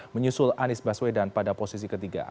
menyusul anies baswedan pada posisi ketiga